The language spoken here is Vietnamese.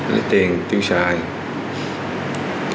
lấy tiền tiêu sản